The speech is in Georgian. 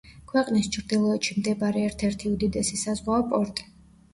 ქვეყნის ჩრდილოეთში მდებარე ერთ-ერთი უდიდესი საზღვაო პორტი.